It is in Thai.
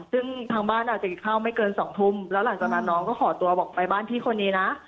ซึ่งทางบ้านอาจจะเข้าไม่เกิน๒ทุ่มแล้วหลังจากนั้นน้องก็ขอตัวบอกไปบ้านพี่คนนี้นะ